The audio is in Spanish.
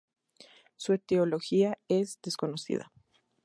Su etiología es desconocida.